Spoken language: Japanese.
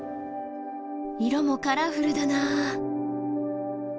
色もカラフルだなあ。